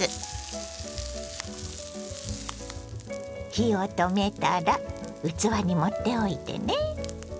火を止めたら器に盛っておいてね。